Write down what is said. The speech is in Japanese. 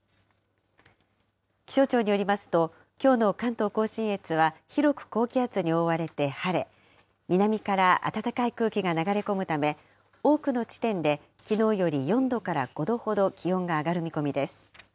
気象庁によりますと、きょうの関東甲信越は広く高気圧に覆われて晴れ、南から暖かい空気が流れ込むため、多くの地点できのうより４度から５度ほど気温が上がる見込みです。